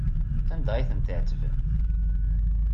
Anda ay tent-tɛettbem?